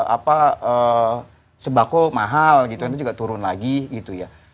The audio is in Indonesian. apa sebako mahal gitu itu juga turun lagi gitu ya